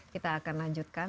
kita akan lanjutkan